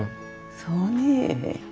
そうね。